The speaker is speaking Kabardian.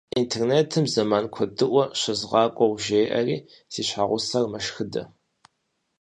Интернетым зэман куэдыӏуэ щызгъакӏуэу жеӏэри, си щхьэгъусэр мэшхыдэ.